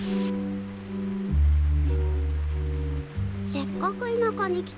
せっかく田舎に来たのに。